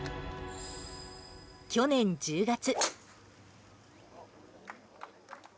去年１０月。